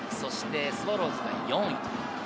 スワローズが４位。